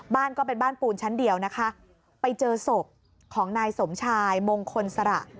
บ้านก็เป็นบ้านปูนชั้นเดียวนะคะไปเจอศพของนายสมชายมงคลสระ